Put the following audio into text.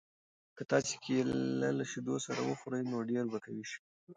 که تاسي کیله له شیدو سره وخورئ نو ډېر به قوي شئ.